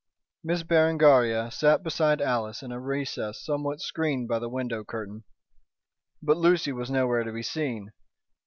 Miss Berengaria sat beside Alice in a recess somewhat screened by the window curtain. But Lucy was nowhere to be seen.